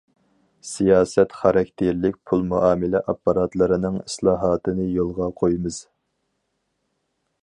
سىياسەت خاراكتېرلىك پۇل مۇئامىلە ئاپپاراتلىرىنىڭ ئىسلاھاتىنى يولغا قويىمىز.